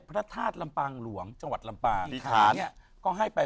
พระธาตุลำปางหลวงจังหวัดลำปางอธิษฐานก็ให้ไป